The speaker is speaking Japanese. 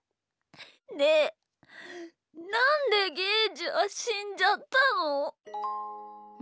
ねえなんでゲージはしんじゃったの？